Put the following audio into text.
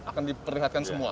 akan diperhatikan semua